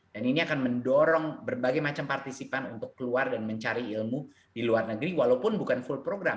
dan ini akan mendorong berbagai macam partisipan untuk keluar dan mencari ilmu di luar negeri walaupun bukan full program